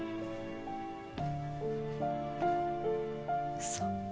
うそ？